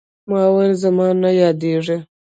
ما وويل زما نه يادېږي.